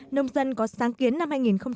nông dân có sáng kiến năm hai nghìn một mươi chín